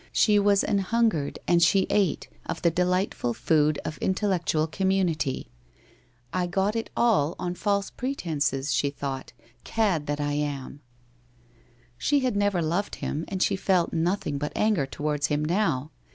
She was an hungered and she ate, of the delightful food of intellectual community. 'I got it all on false pretences/ she thought. ' Cad that I am! ' She had never loved him and she felt nothing but anger towards him now.